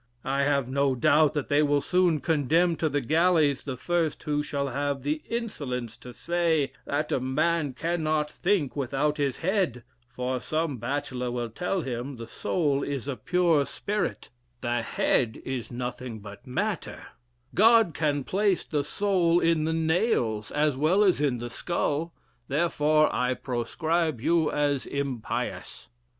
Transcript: I have no doubt that they will soon condemn to the galleys the first who shall have the insolence to say, that a man cannot think without his head; for, some bachelor will tell him, the soul is a pure spirit, the head is nothing but matter: God can place the soul in the nails, as well as in the skull, therefore I proscribe you as impious."